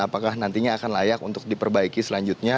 apakah bangunan ini akan layak untuk diperbaiki selanjutnya